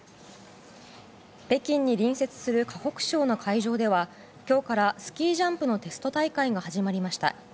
北京に隣接する河北省の会場では今日からスキージャンプのテスト大会が始まりました。